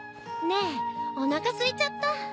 ねえおなかすいちゃった。